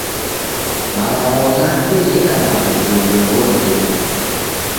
Malagho ghape gheka na w'ujumbe w'orinyi.